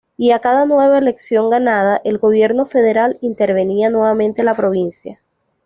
Y a cada nueva elección ganada, el gobierno federal intervenía nuevamente la provincia.